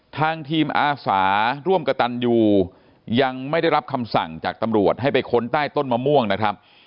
ทางทีมอาสาร่วมกระตันยูยังไม่ได้รับคำสั่งจากตำรวจให้ไปค้นใต้ต้นมะม่วงนะครับ